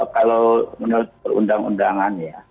kalau menurut perundang undangan ya